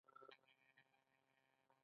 پشه یان په لغمان کې دي؟